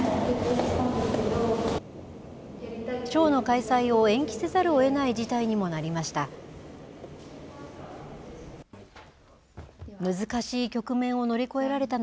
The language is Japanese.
ショーの開催を延期せざるをえない事態にもなりました。